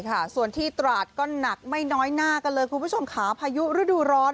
ค่ะส่วนที่ตราดก็หนักไม่น้อยหน้ากันเลยคุณผู้ชมค่ะพายุฤดูร้อน